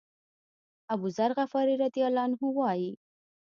أبوذر غفاري رضی الله عنه وایي.